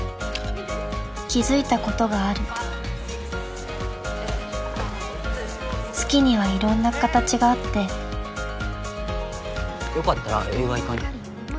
気付いたことがある好きにはいろんな形があってよかったら映画行かね？